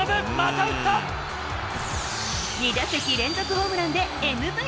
２打席連続ホームランでＭＶＰ。